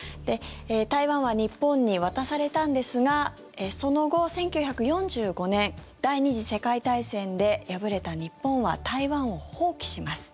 台湾は日本に渡されたんですがその後、１９４５年第２次世界大戦で敗れた日本は台湾を放棄します。